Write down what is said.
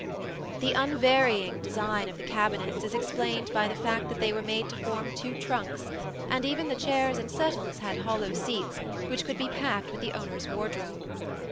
The unvarying design of the cabinets is explained by the fact that they were made to form two trunks, and even the chairs and settles had hollow seats which could be packed with the owners' wardrobe (see Plate II).